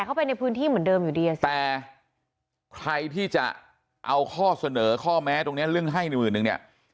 ใครที่จะเอาข้อเสนอข้อแม้ตรงเนี้ยเรื่องให้หนึ่งหมื่นนึงเนี้ย